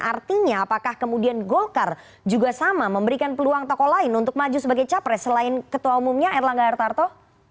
artinya apakah kemudian golkar juga sama memberikan peluang tokoh lain untuk maju sebagai capres selain ketua umumnya erlangga hartarto